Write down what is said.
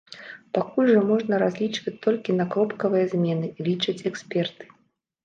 Пакуль жа можна разлічваць толькі на кропкавыя змены, лічаць эксперты.